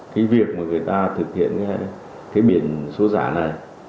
cái việc mà người ta thực hiện cái biển số giả này